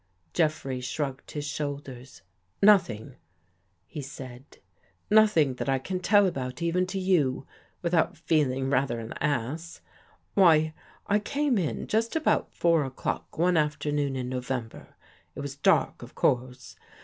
" Jeffrey shrugged his shoulders. " Nothing," he said, " nothing that I can tell about even to you, without feeling rather an ass. Why, I came in just about four o'clock one afternoon in November. It was dark of course.